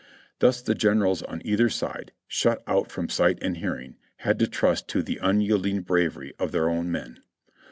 Thus the generals on either side, shut out from sight and hearing, had to trust to the unyielding bravery of their o ^vn men.